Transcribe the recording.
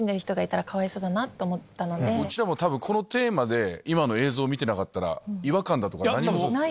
うちらも多分このテーマで今の映像見てなかったら違和感だとか何も分かんない。